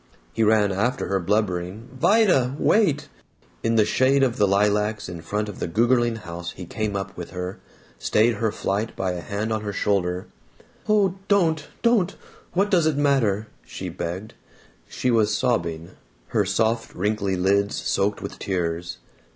He ran after her, blubbering, "Vida! Wait!" In the shade of the lilacs in front of the Gougerling house he came up with her, stayed her flight by a hand on her shoulder. "Oh, don't! Don't! What does it matter?" she begged. She was sobbing, her soft wrinkly lids soaked with tears.